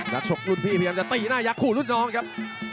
ชกรุ่นพี่พยายามจะตีหน้ายักษ์ขู่รุ่นน้องครับ